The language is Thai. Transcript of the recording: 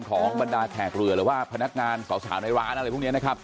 บรรดาแขกเรือหรือว่าพนักงานสาวในร้านอะไรพวกนี้นะครับ